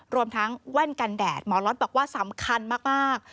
รวมทั้งแว่นกันแดดหมอล็อตบอกว่าสำคัญมาก